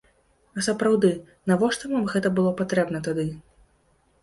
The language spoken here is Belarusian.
А сапраўды, навошта вам гэта было патрэбна тады?